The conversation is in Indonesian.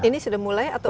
ini sudah mulai atau